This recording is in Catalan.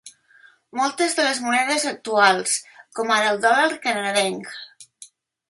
Moltes de les monedes actuals, com ara el dòlar canadenc.